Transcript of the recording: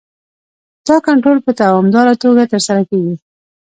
دا کنټرول په دوامداره توګه ترسره کیږي.